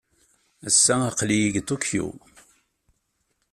Ass-a aql-iyi deg Tokyo.